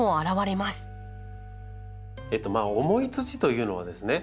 重い土というのはですね